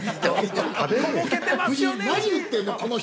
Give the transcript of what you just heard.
◆何言ってんの、この人。